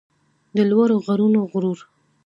د لوړو غرونو غرور